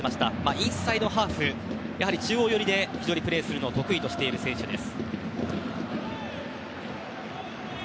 インサイドハーフ中央寄りでプレーするのを非常に得意としている選手です。